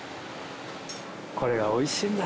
これが美味しいんだ。